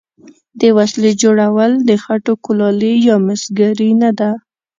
د وسلې جوړول د خټو کولالي یا مسګري نه ده.